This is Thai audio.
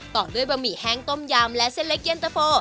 ต่อด้วยบะหมี่แห้งต้มยำและเส้นเล็กเย็นตะโฟ